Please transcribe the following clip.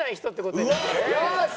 よし！